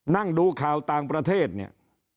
นั่งดูข่าวต่างประเทศเนี่ย